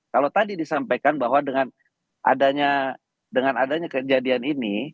kalau tadi disampaikan bahwa dengan adanya dengan adanya kejadian ini